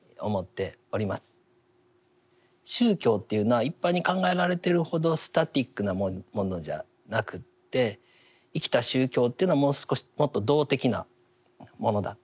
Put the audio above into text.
宗教というのは一般に考えられているほどスタティックなものじゃなくて生きた宗教というのはもう少しもっと動的なものだと。